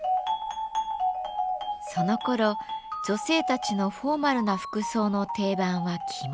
そのころ女性たちのフォーマルな服装の定番は着物。